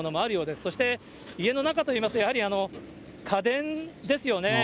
そして家の中といいますと、やはり家電ですよね。